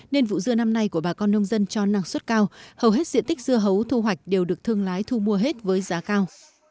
nên vụ dưa năm nay của bà con nông dân cho năng suất cao hầu hết diện tích dưa hấu thu hoạch đều được thương lái thu mua hết với giá cao